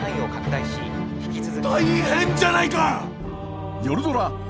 大変じゃないか。